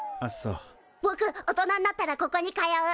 ぼく大人んなったらここに通う。